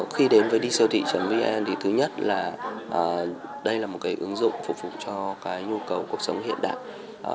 khi đến với đi siêu thị vn thì thứ nhất là đây là một cái ứng dụng phục vụ cho cái nhu cầu cuộc sống hiện đại